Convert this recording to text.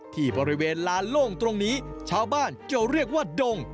ที่บริเวณลานโล่งตรงนี้ชาวบ้านจะเรียกว่าดง